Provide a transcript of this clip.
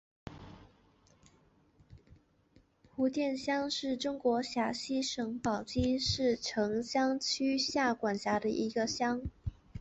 胡店乡是中国陕西省宝鸡市陈仓区下辖的一个乡。